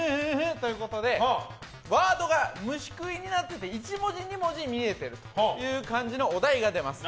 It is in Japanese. ワードが虫食いになってて１文字、２文字見えてるという感じのお題が出ます。